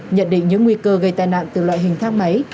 nhận định những nguy cơ gây tai nạn từ loại hình thang máy